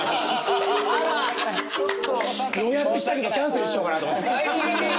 予約したけどキャンセルしようかなと。